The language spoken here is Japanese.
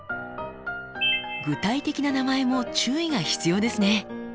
具体的な名前も注意が必要ですね。